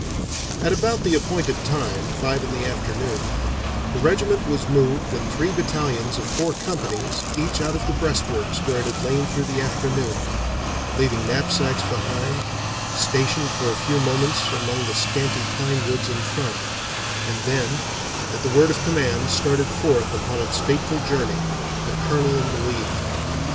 At about the appointed time, five in the afternoon, the regiment was moved in three battalions of four companies each out of the breastworks where it had lain through the afternoon, leaving knapsacks behind, stationed for a few moments among the scanty pine woods in front, and then at the word of command started forth upon its fateful journey, the Colonel in the lead.